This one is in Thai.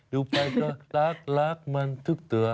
ดูไปก็รักรักมันทุกตัว